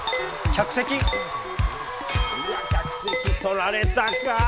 客席、取られたかー。